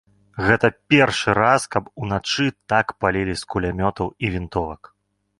Гэта першы раз, каб уначы так палілі з кулямётаў і вінтовак.